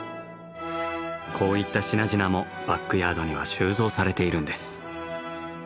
こういった品々もバックヤードには収蔵されているんです。